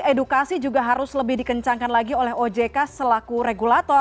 edukasi juga harus lebih dikencangkan lagi oleh ojk selaku regulator